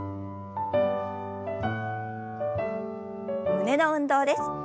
胸の運動です。